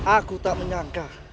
aku tak menyangka